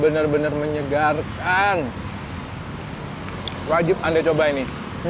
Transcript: bener bener menyegarkan wajib anda coba ini